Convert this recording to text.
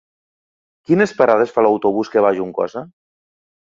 Quines parades fa l'autobús que va a Juncosa?